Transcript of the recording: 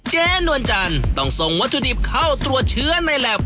นวลจันทร์ต้องส่งวัตถุดิบเข้าตรวจเชื้อในแล็บ